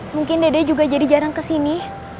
mungkin dede juga jadi jarang kesini